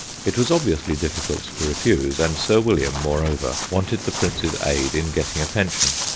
It was obviously difficult to refuse, and Sir William, moreover, wanted the Prince's aid in getting a pension.